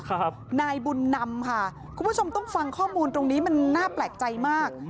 นายบุญนำค่ะคุณผู้ชมต้องฟังข้อมูลตรงนี้มันน่าแปลกใจมาก